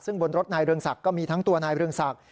ซึ่งบนรถนายเรืองศักดิ์ก็มีทั้งตัวนายเรืองศักดิ